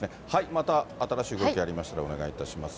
また新しい動きありましたらお願いいたします。